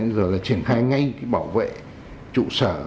giờ là triển khai ngay bảo vệ trụ sở